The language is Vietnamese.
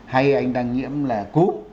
hay anh đang nhiễm là cúm